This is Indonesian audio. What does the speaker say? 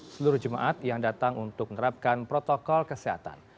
seluruh jemaat yang datang untuk menerapkan protokol kesehatan